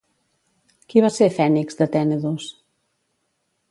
Qui va ser Fènix de Tènedos?